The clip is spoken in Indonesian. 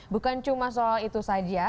bukan cuma soal itu saja